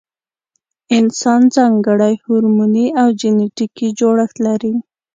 انسان ځانګړی هورموني او جنټیکي جوړښت لري.